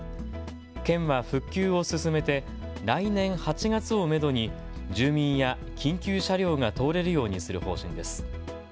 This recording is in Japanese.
県は復旧を進めて来年８月をめどに住民や緊急車両が通れるようにする方針です。